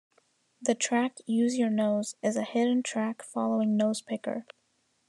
The track "Use Your Nose" is a hidden track following "Nosepicker".